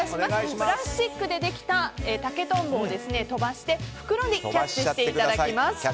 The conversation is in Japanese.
プラスチックでできた竹とんぼを飛ばして袋でキャッチしていただきます。